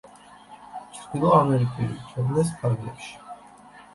ჩრდილო ამერიკული ტურნეს ფარგლებში.